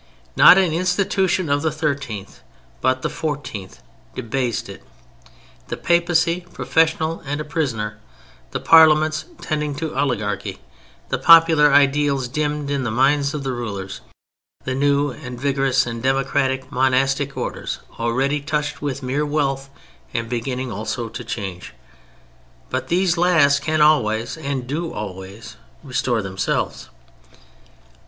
Not an institution of the thirteenth but the fourteenth debased it; the Papacy professional and a prisoner, the parliaments tending to oligarchy, the popular ideals dimmed in the minds of the rulers, the new and vigorous and democratic monastic orders already touched with mere wealth and beginning also to change—but these last can always, and do always, restore themselves.